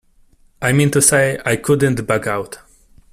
I mean to say, I couldn't back out.